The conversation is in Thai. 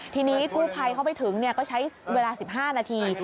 ทีนี้กู้ภัยเข้าไปถึงก็ใช้เวลา๑๕นาที